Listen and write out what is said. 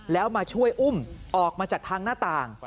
แล้วมาช่วยอุ้มออกมาจากทางหน้าต่าง